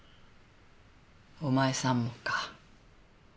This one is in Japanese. お前さんもか。